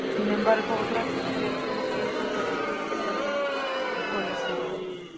Sin embargo, las otras tres no piensan permitir que se salga con la suya.